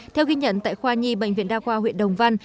theo ghi nhận tại khoa nhi bệnh viện đa khoa huyện đồng văn